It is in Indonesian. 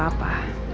nggak bisa jelas ya